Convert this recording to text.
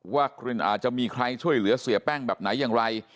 ว่าอาจจะมีใครช่วยเหลือเสียแป้งแบบไหนอย่างไร